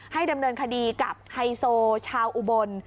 ดำเนินคดีกับไฮโซชาวอุบล